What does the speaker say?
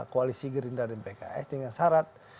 koalisi gerindra dan pks dengan syarat